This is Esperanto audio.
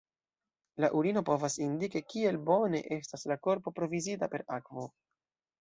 La urino povas indiki, kiel bone estas la korpo provizita per akvo.